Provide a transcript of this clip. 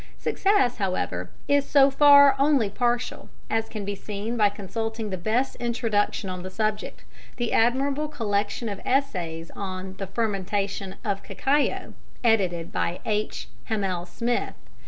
Success, however, is so far only partial, as can be seen by consulting the best introduction on the subject, the admirable collection of essays on The Fermentation of Cacao, edited by H. Hamel Smith.